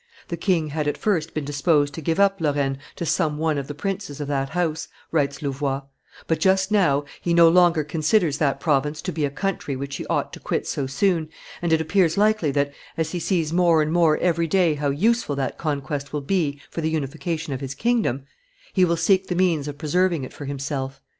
"The king had at first been disposed to give up Lorraine to some one of the princes of that house," writes Louvois; "but, just now, he no longer considers that province to be a country which he ought to quit so soon, and it appears likely that, as he sees more and more every day how useful that conquest will be for the unification of his kingdom, he will seek the means of preserving it for himself."